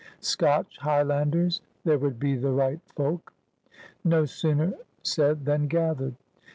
Scotch Highlanders — there would be the right folk! No sooner said than gathered.